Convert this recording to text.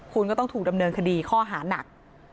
คุณก็ต้องถูกดำเนินคดีข้อหานัก